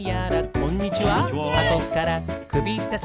こんにちは！